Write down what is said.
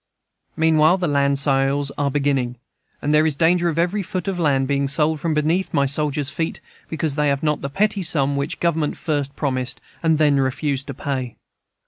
Meanwhile, the land sales are beginning, and there is danger of every foot of land being sold from beneath my soldiers' feet, because they have not the petty sum which Government first promised, and then refused to pay.